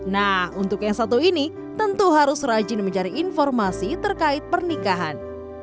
nah untuk yang satu ini tentu harus rajin mencari informasi terkait pernikahan